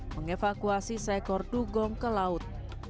mengevakuasi seekor dugong ke laut